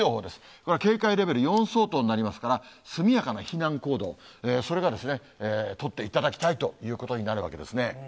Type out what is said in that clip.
これは警戒レベル４相当になりますから、速やかな避難行動、それが取っていただきたいということになるわけですね。